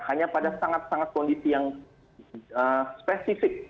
hanya pada sangat sangat kondisi yang spesifik